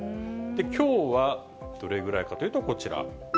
きょうはどれくらいというと、こちら。